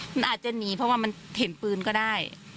มันอาจจะหนีเพราะว่ามันเห็นปืนก็ได้